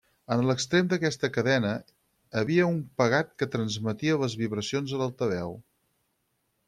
En l’extrem d’aquesta cadena havia un pegat que transmetia les vibracions a l’altaveu.